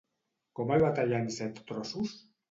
Com el va tallar en Set-trossos?